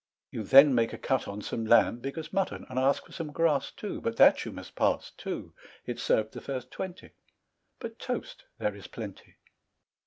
You then make a cut on Some lamb big as mutton; And ask for some grass too, But that you must pass too; It served the first twenty, But toast there is plenty.